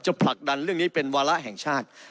ผลักดันเรื่องนี้เป็นวาระแห่งชาติ